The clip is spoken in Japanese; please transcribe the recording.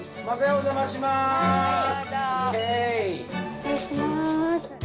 失礼します。